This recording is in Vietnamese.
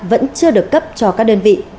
vẫn chưa được cấp cho các đơn vị